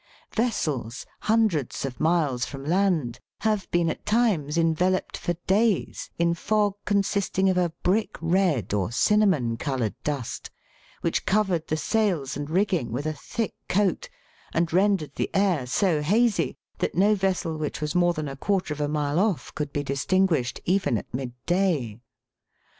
Vessels, hundreds of miles from land, have been at times enveloped for days in fog consisting of a brick red or cin namon coloured dust, which covered the sails and rigging with a thick coat, and rendered the air so hazy that no vessel which was more than a quarter of a mile off could be distinguished even at mid day.